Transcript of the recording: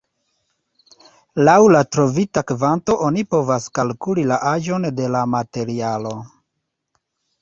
Laŭ la trovita kvanto oni povas kalkuli la aĝon de la materialo.